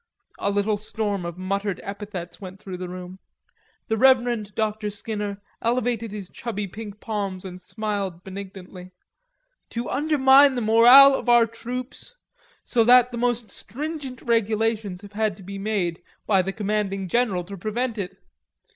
A little storm of muttered epithets went through the room. The Reverend Dr. Skinner elevated his chubby pink palms and smiled benignantly... "to undermine the morale of our troops; so that the most stringent regulations have had to be made by the commanding general to prevent it.